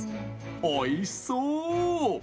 おいしそう！